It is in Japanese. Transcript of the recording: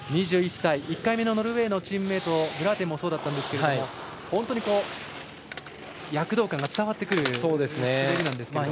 ２１歳、１回目のノルウェーのチームメートブラーテンもそうだったんですが躍動感が伝わってくる滑りです。